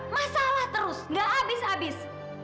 masalah terus gak abis abis